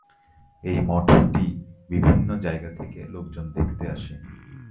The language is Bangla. এই মঠটি বিভিন্ন জায়গা থেকে লোকজন দেখতে আসে।